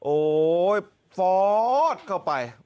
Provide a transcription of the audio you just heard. โอ้ยฟอสเข้าไป